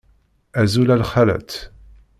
Azul a lxalat.